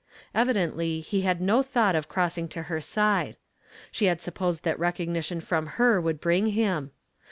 Evidently he had no thought of cross ing to her side. She had supposed that recogni tion from her would bring him.